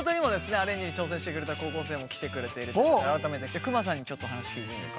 アレンジに挑戦してくれた高校生も来てくれているということで改めてくまさんにちょっと話聞いてみるか。